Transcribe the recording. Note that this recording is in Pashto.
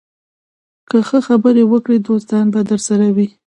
که ښه خبرې وکړې، دوستان به درسره وي